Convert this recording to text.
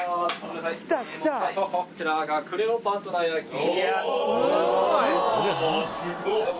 すごい！